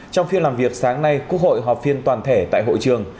trong phiên làm việc sáng nay quốc hội họp phiên toàn thể tại hội trường